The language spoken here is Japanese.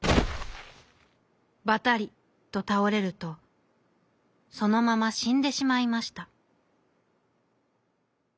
バタリとたおれるとそのまましんでしまいました。